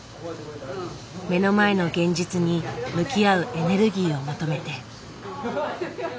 目の前の現実に向き合うエネルギーを求めて。